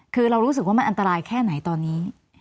คือเรารู้สึกว่ามันอันตรายแค่ไหนตอนนี้